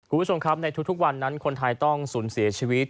คุณผู้ชมครับในทุกวันนั้นคนไทยต้องสูญเสียชีวิต